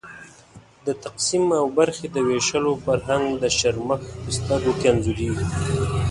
د تقسیم او برخې د وېشلو فرهنګ د شرمښ په سترګو کې انځورېږي.